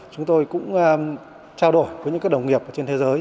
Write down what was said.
chúng tôi cũng trao đổi với những đồng nghiệp trên thế giới